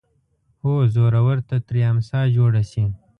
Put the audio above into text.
هو زورور ته ترې امسا جوړه شي